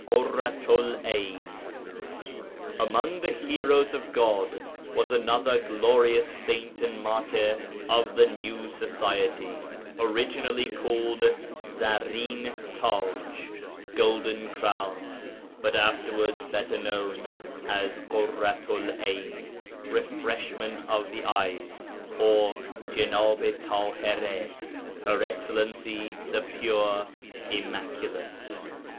ḲURRATU'L 'AYN Among the Heroes of God was another glorious saint and martyr of the new society, originally called Zarrin Taj ('Golden Crown'), but afterwards better known as Ḳurratu'l 'Ayn ('Refreshment of the Eyes') or Jenab i Tahira ('Her Excellency the Pure, Immaculate').